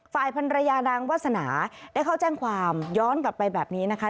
พันรยานางวาสนาได้เข้าแจ้งความย้อนกลับไปแบบนี้นะคะ